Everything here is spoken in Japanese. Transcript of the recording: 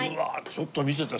ちょっと見せて。